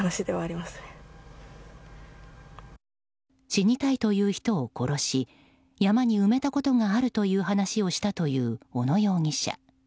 死にたいという人を殺し山に埋めたことがあるという話をしたという小野容疑者。